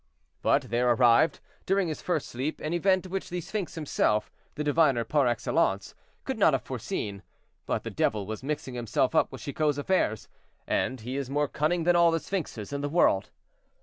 But there arrived, during his first sleep, an event which the Sphynx himself, the diviner par excellence, could not have foreseen; but the devil was mixing himself up with Chicot's affairs, and he is more cunning than all the Sphynxes in the world.